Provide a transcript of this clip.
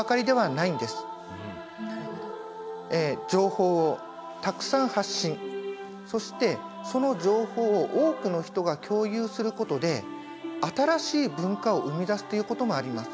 情報をたくさん発信そしてその情報を多くの人が共有することで新しい文化を生み出すということもあります。